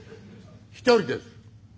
「一人です」。